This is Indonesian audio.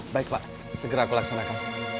baik pak segera aku laksanakan